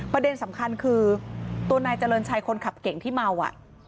ประเด็นสำคัญคือตัวนายเจริญชัยคนขับเก่งที่เมาอ่ะ